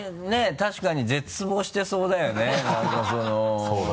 確かに絶望してそうだよね何かその。